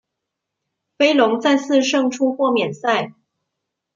飞龙再次胜出豁免赛。